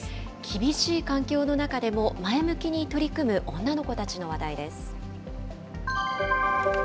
厳しい環境の中でも前向きに取り組む女の子たちの話題です。